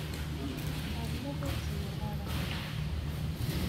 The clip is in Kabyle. Tεelmeḍ ur zmireɣ ara.